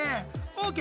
ＯＫ！